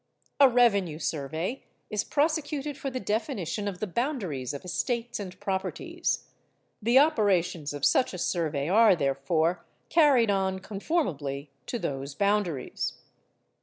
A revenue survey is prosecuted for the definition of the boundaries of estates and properties. The operations of such a survey are therefore carried on conformably to those boundaries.